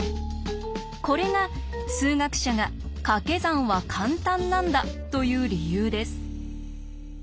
これが数学者が「かけ算は簡単なんだ」と言う理由です。